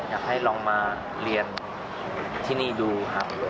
อยากให้ลองมาเรียนที่นี่ดูครับ